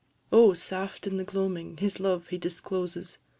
Oh, saft in the gloaming, his love he discloses!